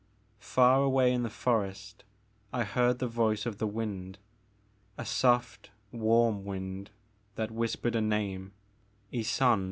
Far away in the forest I heard the voice of the wind, a soft warm wind that whispered a name, Ysonde.